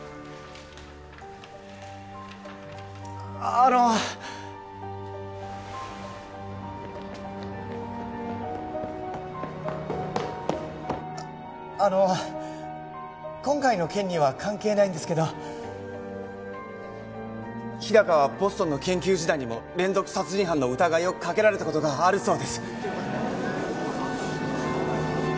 あのああの今回の件には関係ないんですけど日高はボストンの研究時代にも連続殺人犯の疑いをかけられたことがあるそうです